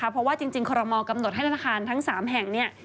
เพราะว่าจริงคอรมอลกำหนดให้ธนาคารทั้ง๓แห่งเนี่ย